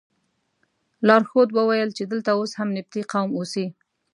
لارښود وویل چې دلته اوس هم نبطي قوم اوسي.